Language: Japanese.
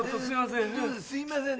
すいません。